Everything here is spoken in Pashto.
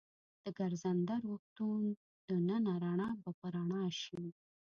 د ګرځنده روغتون دننه رڼا به په رڼا شي.